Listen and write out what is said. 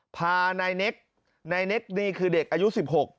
พานายเน็กนายเน็กนี่คือเด็กอายุสิบหก